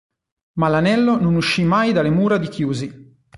Ma l’Anello non uscì mai dalle mura di Chiusi.